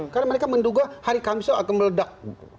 karena mereka menduga hari kamis akan meledak